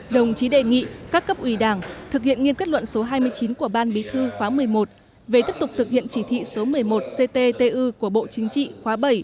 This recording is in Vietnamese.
đồng chí đề nghị các cấp ủy đảng thực hiện nghiêm kết luận số hai mươi chín của ban bí thư khóa một mươi một về tiếp tục thực hiện chỉ thị số một mươi một cttu của bộ chính trị khóa bảy